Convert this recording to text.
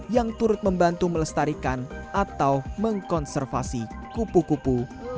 yang turut membantu melestarikan atau mengkonservasi kupu kupu